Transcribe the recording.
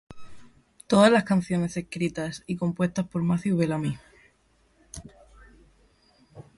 Todas las canciones escritas y compuestas por Matthew Bellamy.